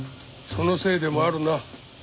そのせいでもあるな。